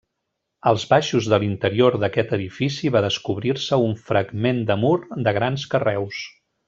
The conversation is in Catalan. Als baixos de l'interior d'aquest edifici va descobrir-se un fragment de mur de grans carreus.